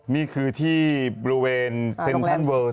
นี่คือที่บริเวณเซ็นทรัลเวิร์ส